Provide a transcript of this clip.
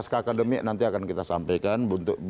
setelah askademik nanti akan kita sampaikan